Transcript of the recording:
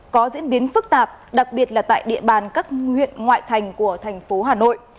có diễn biến phức tạp đặc biệt là tại địa bàn các huyện ngoại thành của thành phố hà nội